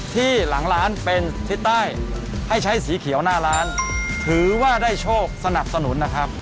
ที่หลังร้านเป็นทิศใต้ให้ใช้สีเขียวหน้าร้านถือว่าได้โชคสนับสนุนนะครับ